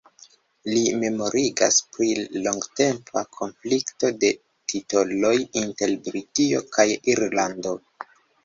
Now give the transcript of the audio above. Li memorigas pri longtempa konflikto de titoloj inter Britio kaj Irlando.